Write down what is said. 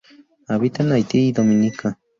Habita en Haiti y Dominica.